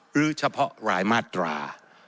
หรือเฉพาะรายมาตรา